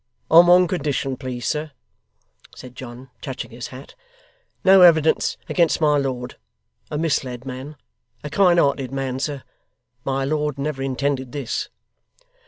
'On one condition, please, sir,' said John, touching his hat. No evidence against my lord a misled man a kind hearted man, sir. My lord never intended this.